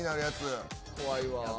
怖いわ。